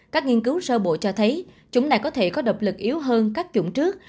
các nghiên cứu sơ bộ cho thấy chúng này có thể có độc lực yếu hơn các chủng trước